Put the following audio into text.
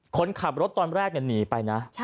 คนขับรถตอนแรกหนีไปนะ